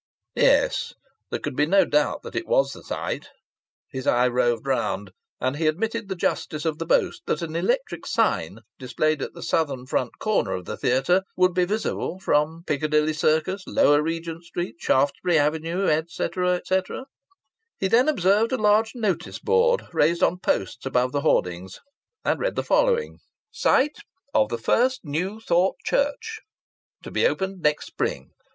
Yes, there could be no doubt that it was the site. His eye roved round and he admitted the justice of the boast that an electric sign displayed at the southern front corner of the theatre would be visible from Piccadilly Circus, Lower Regent Street, Shaftesbury Avenue, etc., etc. He then observed a large notice board, raised on posts above the hoardings, and read the following: SITE OF THE FIRST NEW THOUGHT CHURCH to be opened next Spring.